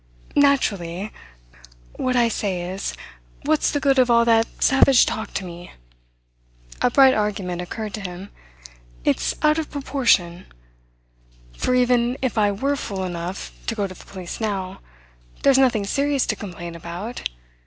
"Naturally. What I say is, what's the good of all that savage talk to me?" A bright argument occurred to him. "It's out of proportion; for even if I were fool enough to go to the police now, there's nothing serious to complain about.